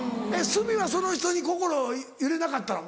鷲見はその人に心揺れなかったの？